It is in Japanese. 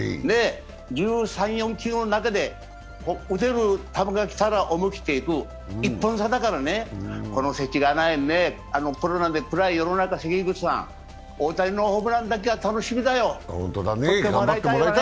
１３１４球の中で、打てる球が来たら思い切っていく、１本差だからね、このせちがらいコロナでつらい世の中、大谷のホームランだけは楽しみだよ。